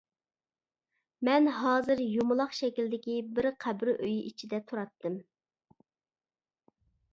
مەن ھازىر يۇمىلاق شەكىلدىكى بىر قەبرە ئۆيى ئىچىدە تۇراتتىم.